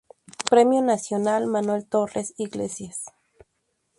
Premio Nacional Manuel Torre Iglesias.